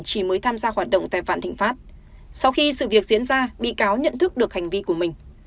chỉ mới tham gia hoạt động tại vạn thịnh pháp sau khi sự việc diễn ra bị cáo nhận thức được hành vi của mình